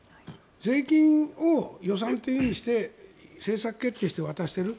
税金を予算として政策決定して渡している。